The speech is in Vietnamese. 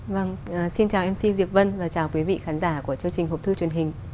vâng xin chào mc diệp vân và chào quý vị khán giả của chương trình hộp thư truyền hình